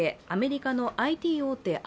アメリカのＩＴ大手